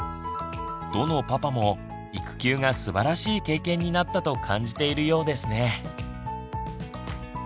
どのパパも育休がすばらしい経験になったと感じているようですね。